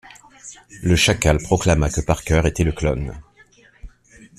Le Chacal proclama que Parker était le clone.